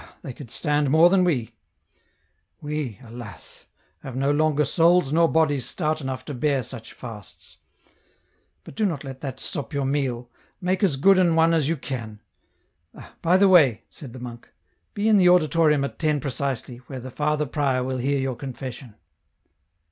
Ah ! they could stand more than we. We, alas ! have no longer souls nor bodies stout enough to bear such fasts ; but do not let that stop your meal ; make as good an one as you can. Ah, by the way," said the monk, *' be in the auditorium at ten precisely, where the Father Prior will hear your confession."